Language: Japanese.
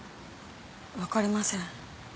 分かりません。